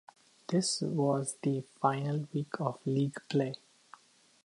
This was the final week of league play.